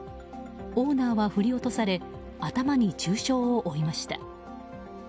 オーナーは振り落とされ頭に重傷を負いました。